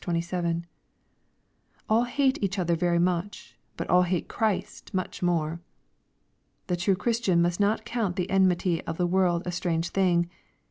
27.) All hate each other very much, but all hate Christ much more. The true Christian must not count the enmity of the world a strange thing.